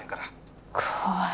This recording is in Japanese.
怖い。